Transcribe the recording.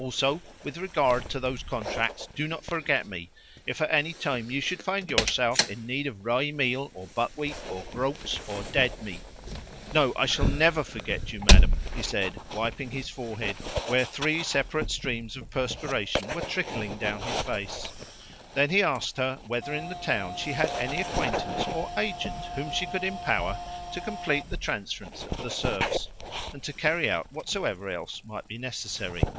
Also, with regard to those contracts, do not forget me if at any time you should find yourself in need of rye meal or buckwheat or groats or dead meat." "No, I shall NEVER forget you, madam!" he said, wiping his forehead, where three separate streams of perspiration were trickling down his face. Then he asked her whether in the town she had any acquaintance or agent whom she could empower to complete the transference of the serfs, and to carry out whatsoever else might be necessary.